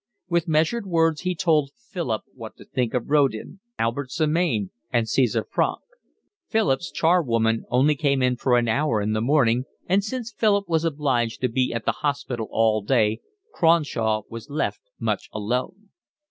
With measured words he told Philip what to think of Rodin, Albert Samain, and Caesar Franck. Philip's charwoman only came in for an hour in the morning, and since Philip was obliged to be at the hospital all day Cronshaw was left much alone.